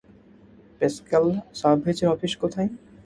Pascal সাওভ্যাজের office কোথায়?